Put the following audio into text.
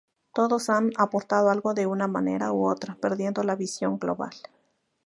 Todos han aportado algo de una manera u otra perdiendo la visión global.